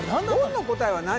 言の答えは何？